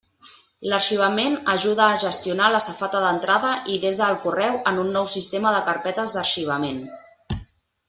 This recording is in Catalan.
L'arxivament ajuda a gestionar la safata d'entrada i desa el correu en un nou sistema de carpetes d'arxivament.